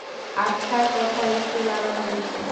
আচ্ছা কথায় একটু লাগাম দিচ্ছি।